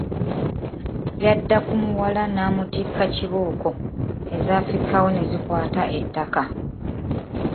Yadda ku muwala n’amutikka kibooko ezaafikkawo ne zikwata ettaka.